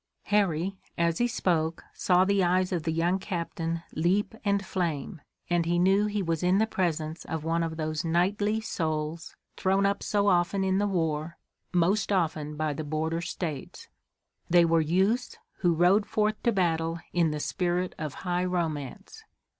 Harry, as he spoke, saw the eyes of the young captain leap and flame, and he knew he was in the presence of one of those knightly souls, thrown up so often in the war, most often by the border States. They were youths who rode forth to battle in the spirit of high romance.